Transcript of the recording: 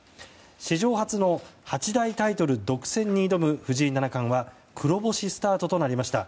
史上初の八大タイトル独占に挑む藤井七冠は黒星スタートとなりました。